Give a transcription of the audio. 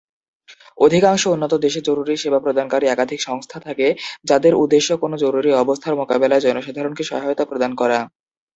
অধিকাংশ উন্নত দেশে জরুরি সেবা প্রদানকারী একাধিক সংস্থা থাকে যাদের উদ্দেশ্য কোন জরুরি অবস্থার মোকাবিলায় জনসাধারণকে সহায়তা প্রদান করা।